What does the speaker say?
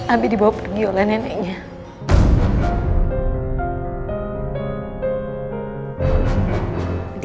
apa ini ga boleh berakhir dan pakin kamu bisa britain rizinkan